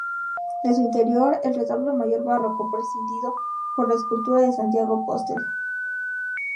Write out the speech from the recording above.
De su interior el retablo mayor barroco, presidido por la escultura de Santiago Apóstol.